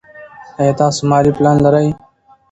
ایا تاسو مالي پلان لرئ.